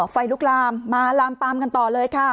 ไฟลุกลามมาลามปามกันต่อเลยค่ะ